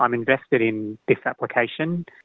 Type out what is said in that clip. saya berinvestasi dalam aplikasi ini